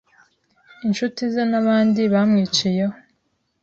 Inshuti ze n’abandi bamwiciyeho